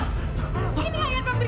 sudah saya bilang cepat buang buang